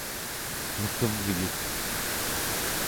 nekevyuk